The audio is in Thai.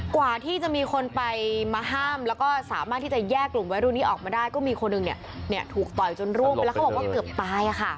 กว่าที่จะมีคนไปมาห้ามแล้วก็สามารถที่จะแยกกลุ่มวัยรุ่นนี้ออกมาได้ก็มีคนหนึ่งถูกต่อยจนร่วงไปแล้วเขาบอกว่าเกือบตาย